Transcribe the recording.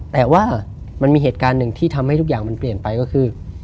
แต่ว่ามันมีเหตุการณ์หนึ่งที่ทำให้ทุกอย่างมันเปลี่ยนไปก็คือ